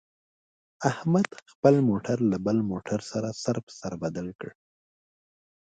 احمد خپل موټر له بل موټر سره سر په سر بدل کړ.